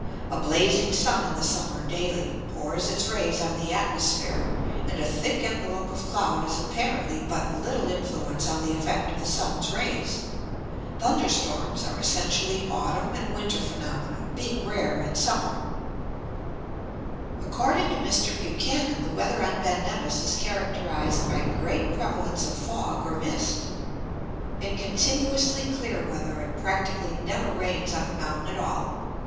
A blazing sun in the summer daily pours its rays on the atmosphere, and a thick envelope of cloud has apparently but little influence on the effect of the sun's rays. Thunder storms are essentially autumn and winter phenomena, being rare in summer. According to Mr. Buchanan, the weather on Ben Nevis is characterised by great prevalence of fog or mist. In continuously clear weather it practically never rains on the mountain at all.